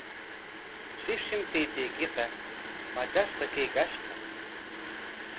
Shipshim taytaykiqa matrashqa kaykashqa.